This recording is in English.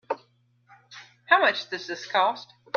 How much does this cost?